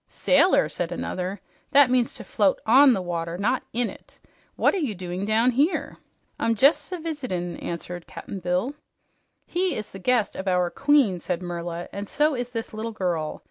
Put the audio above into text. "Sailor!" said another. "That means to float on the water not IN it. What are you doing down here?" "I'm jes' a visitin'," answered Cap'n Bill. "He is the guest of our queen," said Merla, "and so is this little girl.